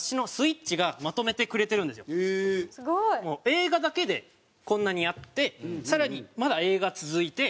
映画だけでこんなにあって更にまだ映画続いて。